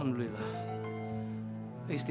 kamu tinggal di sini